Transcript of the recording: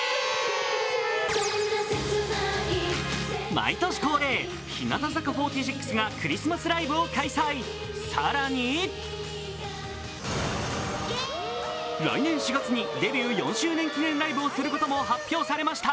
毎年恒例、日向坂４６がクリスマスライブを開催、更に来年４月にデビュー４周年記念ライブをすることも発表されました。